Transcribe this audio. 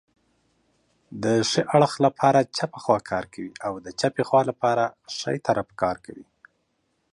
ښي اړخ لپاره چپه خواکار کوي او د چپې خوا لپاره ښی طرف کار